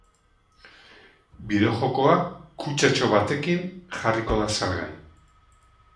Bideojokoa kutxatxo batekin jarriko da salgai.